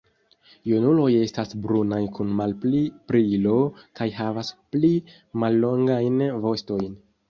Junuloj estas brunaj kun malpli brilo kaj havas pli mallongajn vostojn.